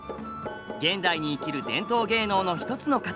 現代に生きる伝統芸能の一つの形。